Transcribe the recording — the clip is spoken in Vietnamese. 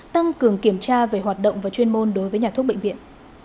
tăng cường kiểm tra về hoạt động và chuyên môn đối với nhà thuốc bệnh viện